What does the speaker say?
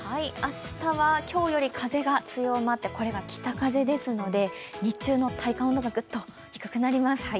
明日は今日より風が強まってこれが北風ですので日中の体感温度がグッと低くなります。